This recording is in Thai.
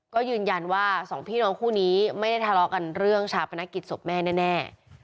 ก็ยืนยันว่าสองพี่น้องคู่นี้ไม่ได้ทะเลาะกันเรื่องชาปนกิจศพแม่แน่